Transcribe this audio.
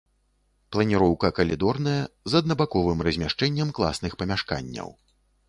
Планіроўка калідорная з аднабаковым размяшчэннем класных памяшканняў.